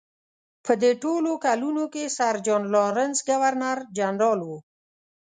په دې ټولو کلونو کې سر جان لارنس ګورنر جنرال و.